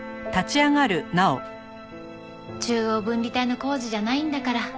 中央分離帯の工事じゃないんだから。